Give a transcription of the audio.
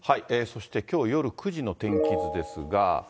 そしてきょう夜９時の天気図ですが。